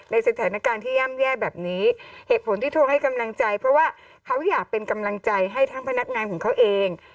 ในสถานการณ์ที่ย่ำแย่แบบนี้เหตุผลที่ทวงให้กำลังใจเพราะว่าเขาอยากเป็นกำลังใจให้ทั้งพนักงานของเขาเอง